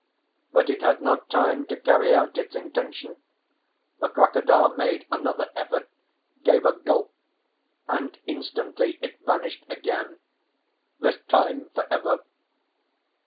But it had not time to carry out its intention; the crocodile made another effort, gave a gulp and instantly it vanished again this time for ever.